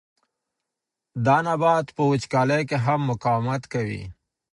دا نبات په وچکالۍ کې هم مقاومت کوي.